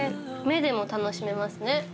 目でも楽しめますね。